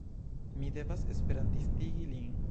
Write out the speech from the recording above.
Mi devas esperantistigi lin.